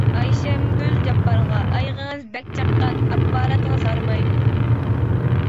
ئايشەمگۈل جاپپارغا: ئايىغىڭىز بەك چاققان، ئاپپاراتىڭىز ھارمايدۇ.